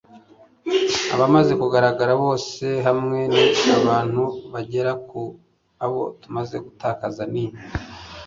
Abamaze kugaragara ... bose hamwe ni abantu bagera ku Abo tumaze gutakaza ni